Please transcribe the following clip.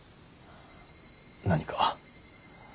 何か。